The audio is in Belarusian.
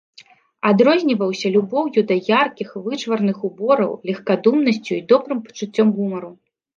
Адрозніваўся любоўю да яркіх, вычварных убораў, легкадумнасцю і добрым пачуццём гумару.